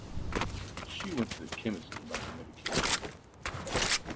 She went to to the chemist to buy her medication